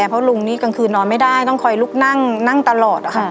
เพราะลุงนี่กลางคืนนอนไม่ได้ต้องคอยลุกนั่งนั่งตลอด